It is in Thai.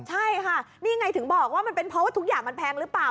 ใช่ค่ะนี่ไงถึงบอกว่ามันเป็นเพราะว่าทุกอย่างมันแพงหรือเปล่า